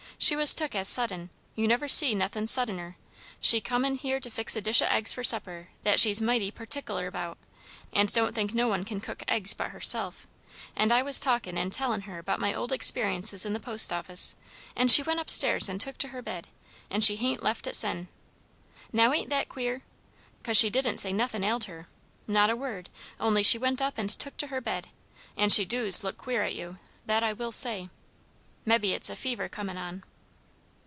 She was took as sudden you never see nothin' suddener she come in here to fix a dish o' eggs for supper that she's mighty particler about, and don't think no one can cook eggs but herself; and I was talkin' and tellin' her about my old experiences in the post office and she went up stairs and took to her bed; and she hain't left it sen. Now ain't that queer? 'Cause she didn't say nothin' ailed her; not a word; only she went up and took to her bed; and she doos look queer at you, that I will say. Mebbe it's fever a comin' on."